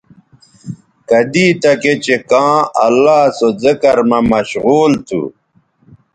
کدی تکےچہء کاں اللہ سو ذکر مہ مشغول تھو